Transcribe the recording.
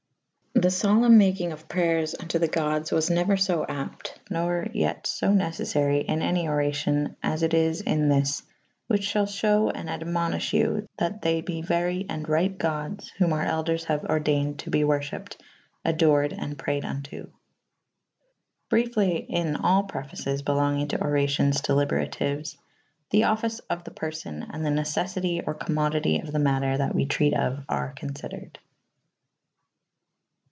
[D ii a] The folempne makynge of prayers vnto the goddes was neuer fo apte nor yet fo neceffary in any oracyon as it is in this / whiche fhall 1" hewe and admonyfhe you that they be very & right goddes / whom our elders haue ordeyned to be worfhypped / adoured / and prayed vnto. Bryefly in all prefaces belongynge to oracyons delyberatyues the offyce of the perfo« :& the neceffytye or co»zmodytye of the matter that we treate of are confydered.